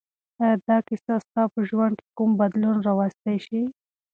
آیا دا کیسه ستا په ژوند کې کوم بدلون راوستی شي؟